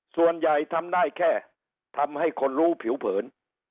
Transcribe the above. ส่วนใหญ่ทำได้แค่ทำให้คนรู้ผิวเผิน